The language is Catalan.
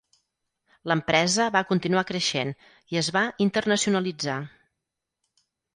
L'empresa va continuar creixent i es va internacionalitzar.